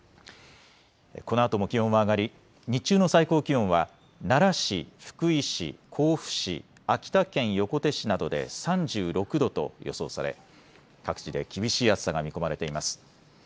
このあとも気温は上がり日中の最高気温は奈良市、福井市、甲府市、秋田県横手市などで３６度と予想され各地で厳しい暑さが見込まれています。